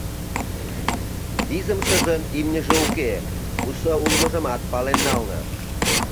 Визымшыжын имньыже уке, кусо улмыжымат пален нална.